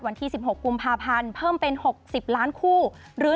วันที่สิบหกกุมพาพันธุ์เพิ่มเป็นหกสิบล้านคู่หรือ